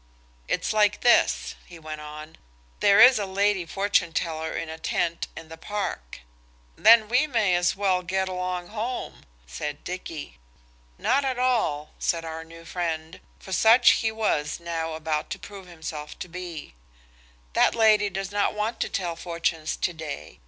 "It's like this," he went on, "there is a lady fortune teller in a tent in the park." "Then we may as well get along home," said Dicky. "Not at all," said our new friend, for such he was now about to prove himself to be; "that lady does not want to tell fortunes to day.